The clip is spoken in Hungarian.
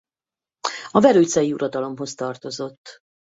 A verőcei uradalomhoz tartozott.